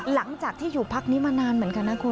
หลังจากที่อยู่พักนี้มานานเหมือนกันนะคุณ